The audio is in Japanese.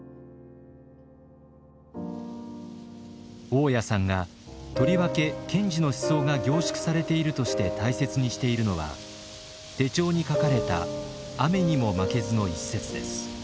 雄谷さんがとりわけ賢治の思想が凝縮されているとして大切にしているのは手帳に書かれた「雨ニモマケズ」の一節です。